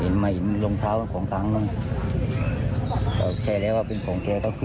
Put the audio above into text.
นาชาติ